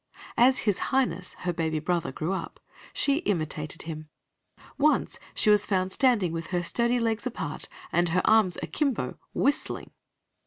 As his Highness, her baby brother, grew up, she imitated him. Once she was found standing with her sturdy legs apart and her arms akimbo, whistling.